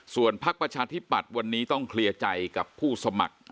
ส่วนพักประชาธิปัตย์วันนี้ต้องเคลียร์ใจกับผู้สมัคร